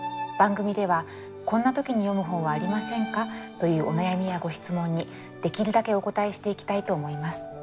番組では「こんな時に読む本はありませんか？」というお悩みやご質問にできるだけお応えしていきたいと思います。